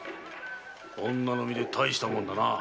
女の身で大したものだな。